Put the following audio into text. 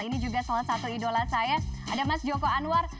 ini juga salah satu idola saya ada mas joko anwar